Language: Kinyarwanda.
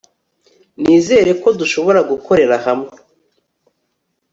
Nizera ko dushobora gukorera hamwe